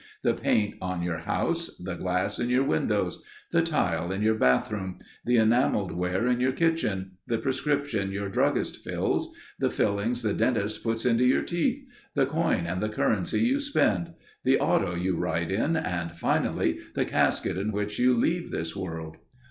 The paint on your house. The glass in your windows. The tile in your bathroom. The enamel ware in your kitchen. The prescription your druggist fills. The fillings the dentist puts into your teeth. The coin and the currency you spend. The auto you ride in and finally the casket in which you leave this world.